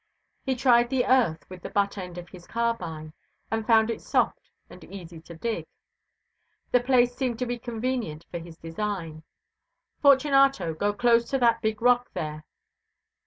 He tried the earth with the butt end of his carbine, and found it soft and easy to dig. The place seemed to be convenient for his design. "Fortunato, go close to that big rock there."